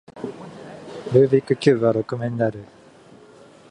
ルービックキューブは六面である